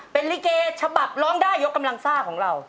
เป็นลิเกฉบับร้องได้ยกกำลังซ่าของเรา